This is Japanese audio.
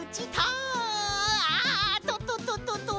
ああ！ととととと。